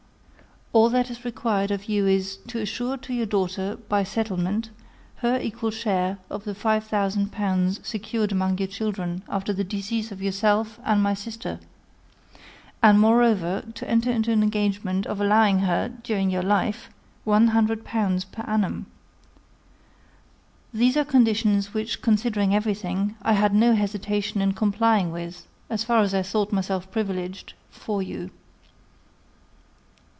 All that is required of you is, to assure to your daughter, by settlement, her equal share of the five thousand pounds, secured among your children after the decease of yourself and my sister; and, moreover, to enter into an engagement of allowing her, during your life, one hundred pounds per annum. These are conditions which, considering everything, I had no hesitation in complying with, as far as I thought myself privileged, for you.